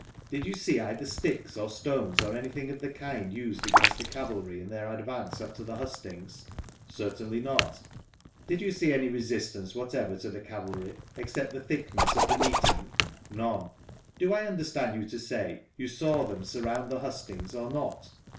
Did you see either sticks, or stones, or aoything of th« kind used against the cavalry iU their advance up to the hustings ?— Certainly not Did you see any resistance whatever to the cavalry, except the thickness of the meeting ?— None, Do I understand you to say you saw them surround the hustings, or not?